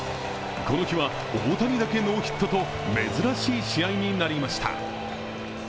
この日は大谷だけノーヒットと珍しい試合になりました。